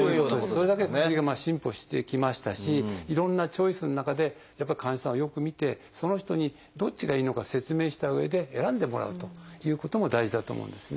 それだけ薬が進歩してきましたしいろんなチョイスの中でやっぱり患者さんをよく診てその人にどっちがいいのかを説明したうえで選んでもらうということも大事だと思うんですね。